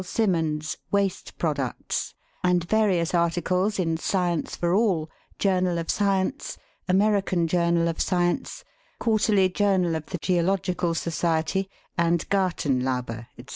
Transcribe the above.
Simmond's "Waste Products ;" and various articles in " Science for All," "Journal of Science," "American Journal of Science," "Quarterly Journal of the Geological Society," and "Gar tenlaube," &c.